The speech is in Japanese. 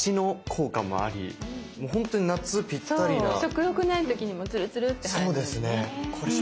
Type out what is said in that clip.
食欲ない時にもツルツルって入るのでね。